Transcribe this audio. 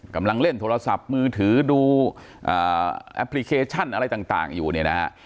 กำลังเล่นโทรศัพท์มือถือดูแอปพลิเคชันอะไรต่างอยู่เนี่ยนะฮะ